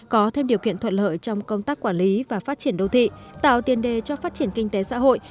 có thêm điều kiện thuận lợi trong công tác quản lý và phát triển đô thị tạo tiền đề cho phát triển kinh tế xã hội